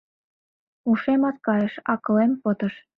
Ушемат кайыш, акылем пытыш